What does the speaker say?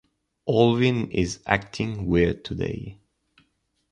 Alvyn is acting weird today.